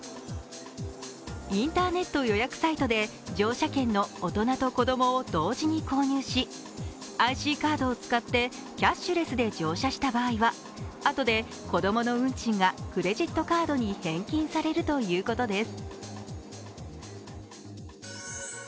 インターネット予約サイトで乗車券の大人と子供を同時に購入し、ＩＣカードを使ってキャッシュレスで乗車した場合はあとで子供の運賃がクレジットカードに返金されるということです。